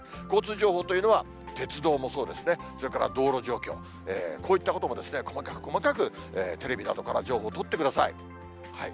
交通情報というのは、鉄道もそうですね、それから道路状況、こういったことも、細かく細かくテレビなどから情報を取ってください。